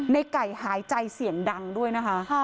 ในไก่หายใจเสียงดังด้วยนะคะ